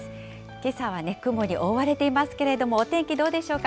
けさは、雲に覆われていますけれども、お天気どうでしょうか。